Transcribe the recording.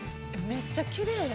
めっちゃきれい！